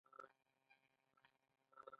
بد نیت ښه پایله نه لري.